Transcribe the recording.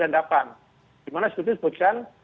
di mana sebutin sebutkan